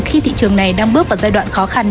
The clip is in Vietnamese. khi thị trường này đang bước vào giai đoạn khó khăn